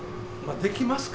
できますか？